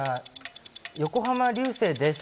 横浜流星です！